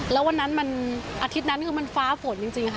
แล้ววันนั้นมันอาทิตย์นั้นคือมันฟ้าฝนจริงค่ะ